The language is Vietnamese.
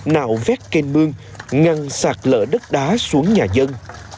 nạo vét canh mương ngăn sạt lỡ đất đá xuống nhà dân